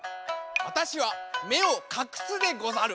わたしはめをかくすでござる。